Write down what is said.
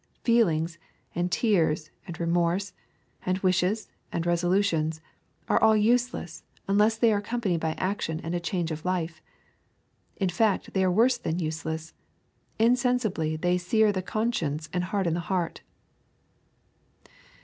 Feelings, and tears, and remorse, and wishes, and resolutions, are all useless, until they are accompanied by action and a change of life. In fact they are worse than useless. Insensibly they sear the conscience and harden the heart.